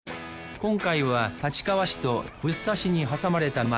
今回は立川市と福生市に挟まれた街